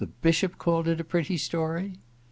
•' \Tm Bishop called it a pretty story ?'